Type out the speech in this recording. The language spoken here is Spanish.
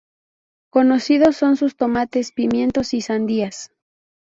Conocidos son sus tomates, pimientos y sandías.